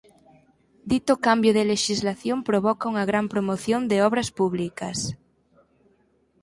Dito cambio de lexislación provoca unha gran promoción de obras publicas.